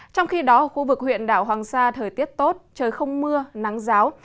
trong khi đó khu vực huyện đảo hoàng sa thời tiết tốt trời không mưa nắng ráo